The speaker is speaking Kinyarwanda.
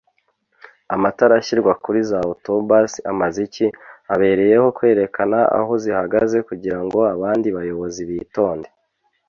amatara ashirwa kuri za auto bus amaze iki ?abereyeho kwerekana aho zihagaze kugirango abandi bayobozi bitonde